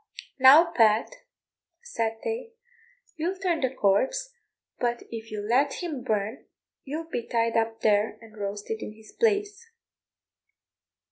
"Now, Pat," said they, "you'll turn the corpse, but if you let him burn you'll be tied up there and roasted in his place."